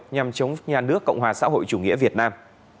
nhằm chống nhà nước cộng hòa xã hội chủ nghĩa việt nam